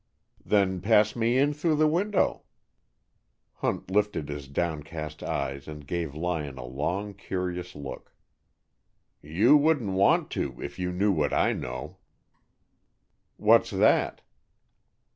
"Then pass me in through the window." Hunt lifted his downcast eyes and gave Lyon a long, curious look. "You wouldn't want to, if you knew what I know." "What's that?"